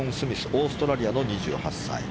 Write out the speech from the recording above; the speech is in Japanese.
オーストラリアの２８歳。